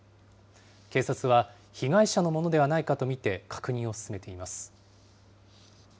警察は、被害者のものではないかと見て、確認を進めています。